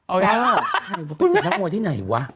อ้าวคุณแม่คุณติดนักมวยที่ไหนวะ